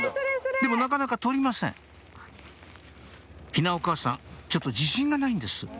でもなかなか取りません陽菜お母さんちょっと自信がないんです